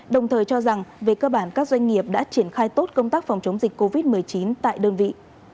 đồng thời cho rằng về cơ bản các doanh nghiệp đã triển khai tốt công tác phòng chống dịch covid một mươi chín tại đơn vị